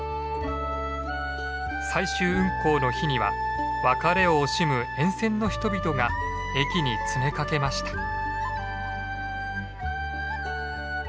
最終運行の日には別れを惜しむ沿線の人々が駅に詰めかけました。